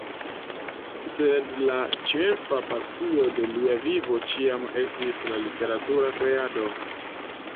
Sed la ĉefa pasio de lia vivo ĉiam estis la literatura kreado.